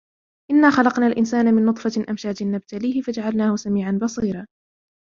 إنا خلقنا الإنسان من نطفة أمشاج نبتليه فجعلناه سميعا بصيرا